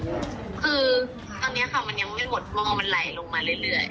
คือตอนนี้ค่ะมันยังไม่หมดมองมันไหลลงมาเรื่อย